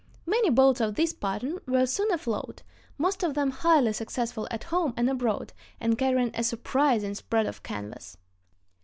Many boats of this pattern were soon afloat, most of them highly successful at home and abroad, and carrying a surprising spread of canvas.